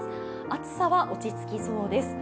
暑さは落ち着きそうです。